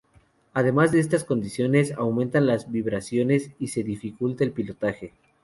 Además en estas condiciones aumentan las vibraciones y se dificulta el pilotaje.